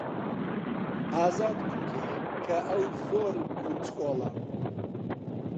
ئازاد گوتی کە ئەو زۆر کونجکۆڵە.